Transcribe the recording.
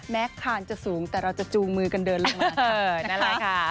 แม้คานจะสูงแต่เราจะจูงมือกันเดินลงมาค่ะ